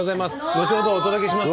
のちほどお届けします。